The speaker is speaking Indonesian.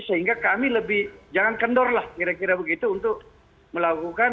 sehingga kami lebih jangan kendor lah kira kira begitu untuk melakukan